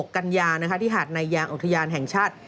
กัญญานะฮะที่หาดในยางออกทะยานแห่งชาติ